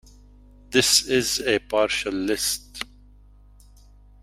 "This is a partial list:"